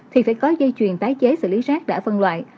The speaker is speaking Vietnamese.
thì phải có dây chuyền tái chế xử lý rác đã phân loại